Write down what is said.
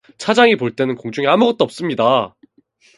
차장이 볼 때는 공중에 아무것도 없습니다.